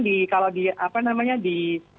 di kalau di apa namanya di